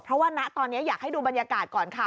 เพราะว่าณตอนนี้อยากให้ดูบรรยากาศก่อนค่ะ